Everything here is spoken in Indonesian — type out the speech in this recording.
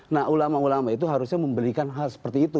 nah ulama ulama itu harusnya memberikan hal seperti itu